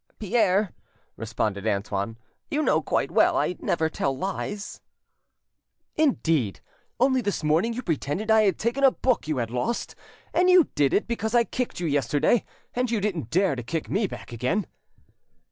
"Pierre," responded Antoine, "you know quite well I never tell lies." "Indeed!—only this morning you pretended I had taken a book you had lost, and you did it because I kicked you yesterday, and you didn't dare to kick me back again."